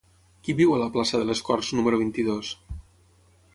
Qui viu a la plaça de les Corts número vint-i-dos?